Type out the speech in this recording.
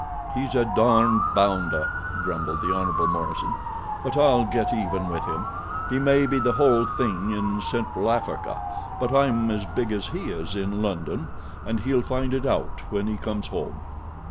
"He's a darned bounder," grumbled the Hon. Morison; "but I'll get even with him. He may be the whole thing in Central Africa but I'm as big as he is in London, and he'll find it out when he comes home."